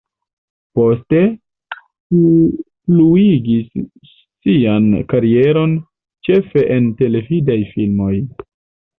Poste, ŝi pluigis sian karieron ĉefe en televidaj filmoj.